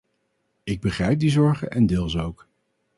Ik begrijp die zorgen en deel ze ook.